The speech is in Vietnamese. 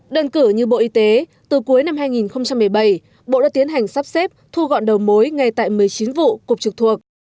đơn cử như bộ y tế từ cuối năm hai nghìn một mươi bảy bộ đã tiến hành sắp xếp thu gọn đầu mối ngay tại một mươi chín vụ cục trực thuộc